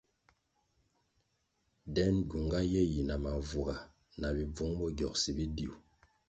Den gyunga ye yina mavuga, na bibvung bo gyogsi bidiu.